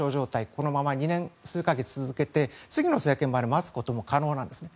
このまま２年数か月続けて次の政権まで待つことも可能なんですね。